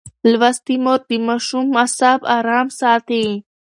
لوستې مور د ماشوم اعصاب ارام ساتي.